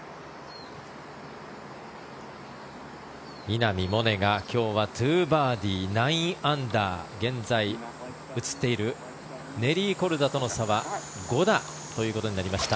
稲見萌寧が今日は２バーディー、９アンダー現在映っているネリー・コルダとの差は５打ということになりました。